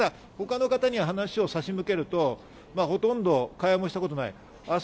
他の方に話を差し向けると、ほとんど会話もしたことない。